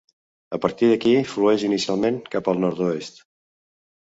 A partir d'aquí flueix inicialment cap al nord-oest.